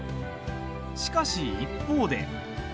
しかし、一方で。